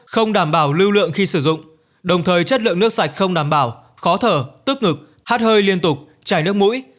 không đảm bảo lưu lượng khi sử dụng đồng thời chất lượng nước sạch không đảm bảo khó thở tức ngực hát hơi liên tục chảy nước mũi